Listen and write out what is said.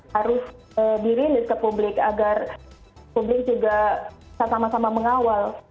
harus dirilis ke publik agar publik juga bisa sama sama mengawal